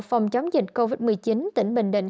phòng chống dịch covid một mươi chín tỉnh bình định